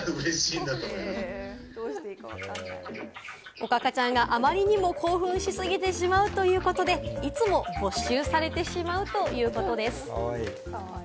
おかかちゃんがあまりにも興奮しすぎてしまうということで、いつも没収されてしまうということです。